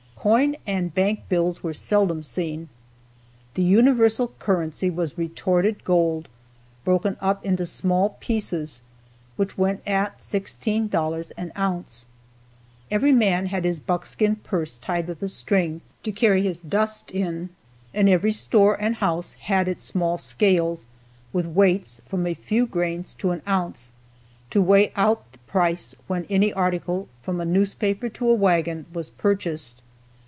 Coin and bank bills were seldom seen. The universal currency was retorted gold, broken up into small pieces, which went at $16 an ounce. Every man had his buckskin purse tied with a string, to carry his "dust" in, and every store and house had its small scales, with weights from a few grains to an ounce, to weigh out the price when any article from a newspaper to a wagon was purchased.